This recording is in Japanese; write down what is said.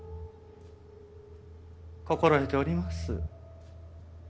心得ております。